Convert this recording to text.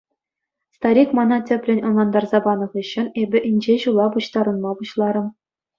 Старик мана тӗплӗн ӑнлантарса панӑ хыҫҫӑн эпӗ инҫе ҫула пуҫтарӑнма пуҫларӑм.